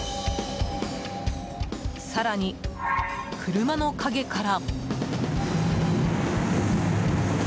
更に、車の陰から。